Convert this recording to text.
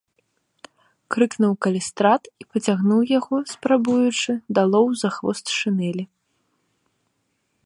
— крыкнуў Калістрат і пацягнуў яго, спрабуючы, далоў за хвост шынэлі.